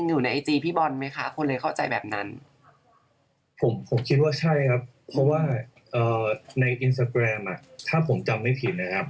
อินสตาแกรมอะถ้าผมจำไม่ผิดนะครับ